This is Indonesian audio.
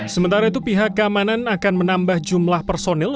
sementara itu pihak keamanan akan menambah jumlah personil